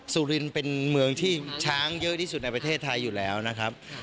สุรินเป็นเมืองที่ช้างเยอะที่สุดในประเทศไทยอยู่แล้วนะครับ